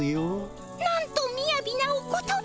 なんとみやびなお言葉。